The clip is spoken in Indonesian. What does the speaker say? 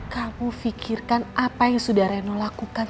kamu fikirkan apa yang sudah reno lakukan